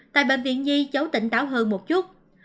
tại bệnh viện nhi cháu tỉnh táo hơn một chút